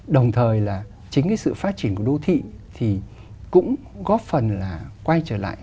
đồng thời là chính cái sự phát triển của đô thị thì cũng góp phần là quay trở lại